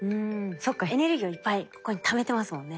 そっかエネルギーをいっぱいここにためてますもんね。